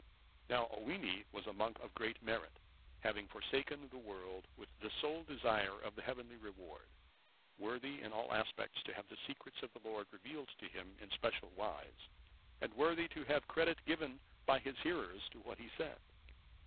Now Owini was a monk of great merit, having forsaken the world with the sole desire of the heavenly reward; worthy in all respects to have the secrets of the Lord revealed to him in special wise, and worthy to have credit given by his hearers to what he said.